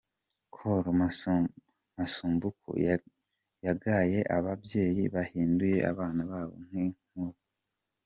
Col Masumbuko yagaye ababyeyi bahinduye abana babo nk’inturo .